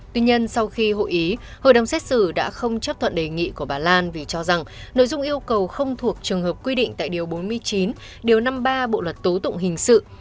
tuy nhiên sau khi hội ý hội đồng xét xử đã không chấp thuận đề nghị của bà lan vì cho rằng nội dung yêu cầu không thuộc trường hợp quy định tại điều bốn mươi chín điều năm mươi ba bộ luật tố tụng hình sự